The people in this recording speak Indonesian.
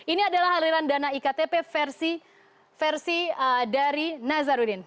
ini adalah haliran dana iktp versi dari nazaruddin